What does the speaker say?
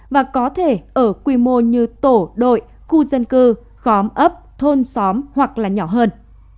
và có thể ở quy mô như tổ đội khu dân cư khóm ấp thôn xóm hoặc là nhỏ hơn